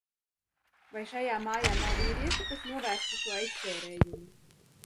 Vai šajā mājā nav vīriešu, kas novērstu šo aizsērējumu?